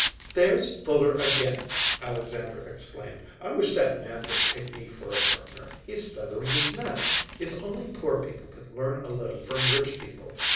"There's Fuller again!" Alexandra exclaimed. "I wish that man would take me for a partner. He's feathering his nest! If only poor people could learn a little from rich people!